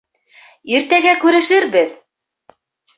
Иртәгә күрешербеҙ!